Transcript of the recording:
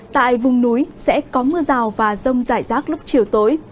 tại vùng núi sẽ có mưa rào và rông rải rác lúc chiều tối